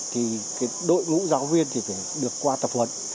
thì đội ngũ giáo viên thì phải được qua tập huấn